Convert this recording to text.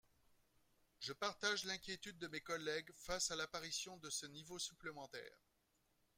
Je partage l’inquiétude de mes collègues face à l’apparition de ce niveau supplémentaire.